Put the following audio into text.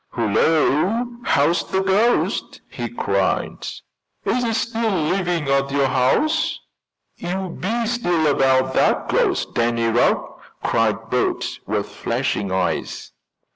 "Hullo! how's the ghost?" he cried. "Is it still living at your house?" "You be still about that ghost, Danny Rugg!" cried Bert, with flashing eyes.